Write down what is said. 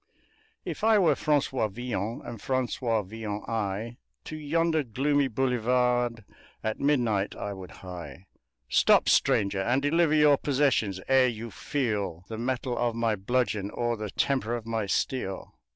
If I were Francois Villon and Francois Villon I, To yonder gloomy boulevard at midnight I would hie; "Stop, stranger! and deliver your possessions, ere you feel The mettle of my bludgeon or the temper of my steel!"